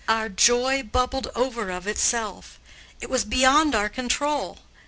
Our joy bubbled over of itself; it was beyond our control.